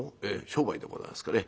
商売でございますからね。